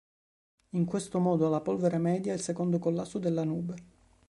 In questo modo la polvere media il secondo collasso della nube.